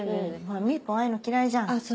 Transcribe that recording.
みーぽんああいうの嫌いじゃん。